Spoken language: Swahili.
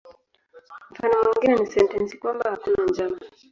Mfano mwingine ni sentensi kwamba "hakuna njama".